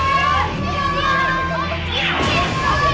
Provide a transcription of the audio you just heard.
wah kamarnya rata sekali